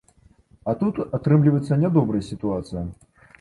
А тут атрымліваецца нядобрая сітуацыя.